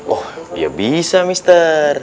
oh ya bisa mister